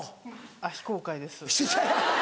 非公開です。